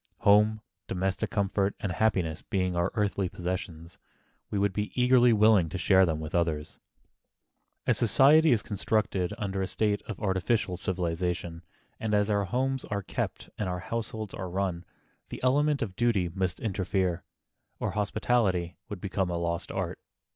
Home, domestic comfort and happiness being our best earthly possessions, we would be eagerly willing to share them with others. As society is constructed under a state of artificial civilization, and as our homes are kept and our households are run, the element of duty must interfere, or hospitality would become a lost art.